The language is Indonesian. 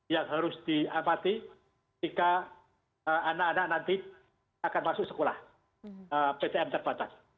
yang harus diapati ketika anak anak nanti akan masuk sekolah ptm terbatas